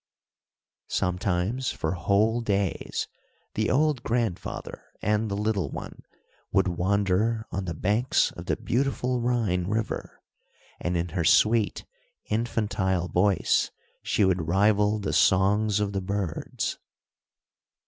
Sometimes, for whole days the old grandfather and the little one would wander on the banks of the beautiful Rhine River, and in her sweet infantile voice she would rival the songs of the birds.